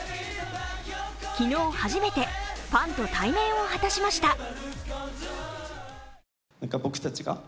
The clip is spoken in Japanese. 昨日初めてファンと対面を果たしました。